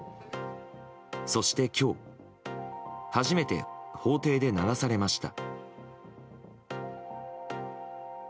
そして今日初めて法廷で流されました。